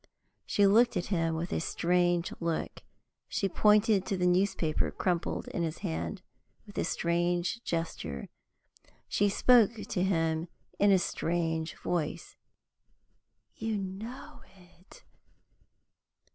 She looked at him with a strange look; she pointed to the newspaper crumpled in his hand with a strange gesture; she spoke to him in a strange voice. "You know it!"